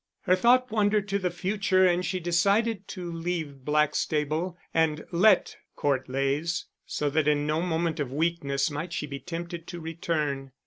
Her thought wandered to the future and she decided to leave Blackstable, and let Court Leys, so that in no moment of weakness might she be tempted to return.